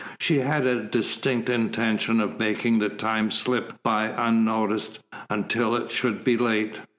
She had a distinct intention in making the time slip by unnoticed, until it should be late.